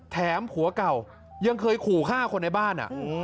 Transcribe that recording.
ผัวเก่ายังเคยขู่ฆ่าคนในบ้าน